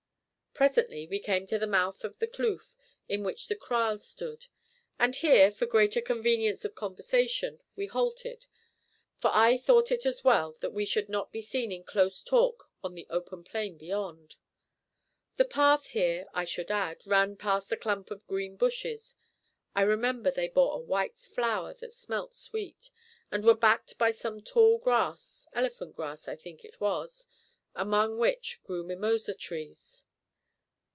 Presently we came to the mouth of the kloof in which the kraal stood, and here, for greater convenience of conversation, we halted, for I thought it as well that we should not be seen in close talk on the open plain beyond. The path here, I should add, ran past a clump of green bushes; I remember they bore a white flower that smelt sweet, and were backed by some tall grass, elephant grass I think it was, among which grew mimosa trees.